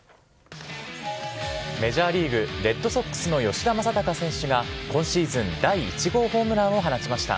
メジャーリーグ・レッドソックスの吉田正尚選手が今シーズン第１号ホームランを放ちました。